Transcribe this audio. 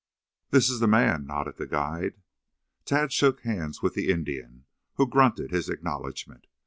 "This is the man," nodded the guide. Tad shook hands with the Indian, who grunted his acknowledgment.